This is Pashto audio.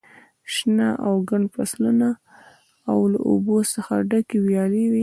شنه او ګڼ فصلونه او له اوبو څخه ډکې ویالې وې.